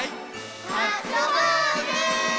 あそぼうね！